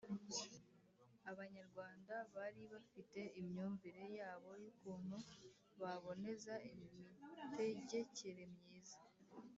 abanyarwanda bari bafite imyumvire yabo y'ukuntu baboneza imitegekere myiza